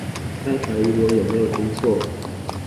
在懷疑我有沒有聽錯